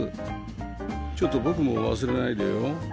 ちょっと僕も忘れないでよ